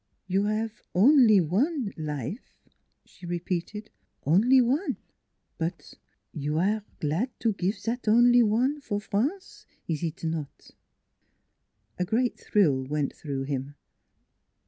" You 'ave on li one life," she repeated, " on li one ; but you aire glad to give zat on li one for France ees eet not? " A great thrill went through him.